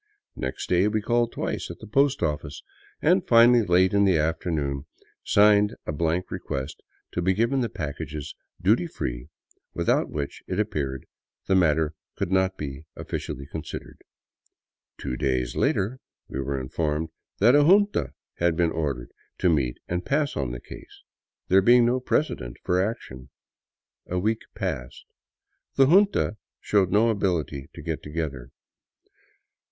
Next day we called twice at the post office and finally, late in the afternoon, signed a blank request to be given the packages duty free, without which, it appeared, the matter could not be officially considered. Two days later we were informed that a junta had been ordered to meet and pass on the case ; there being no precedent for action. A wecl; passed. The junta showed no ability to get together.